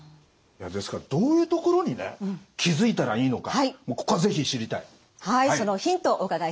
ですからどういうところにね気付いたらいいのかここは是非知りたい！